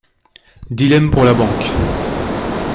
Dilemme pour la banque...